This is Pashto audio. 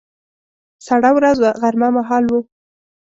سړه ورځ وه، غرمه مهال و.